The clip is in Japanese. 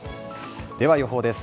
では、予報です。